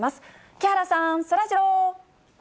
木原さん、そらジロー。